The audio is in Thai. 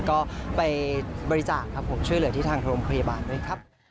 ก็ไปบริจาคครับผมช่วยเหลือที่ทางโรงพยาบาลด้วยครับ